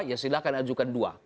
ya silahkan ajukan dua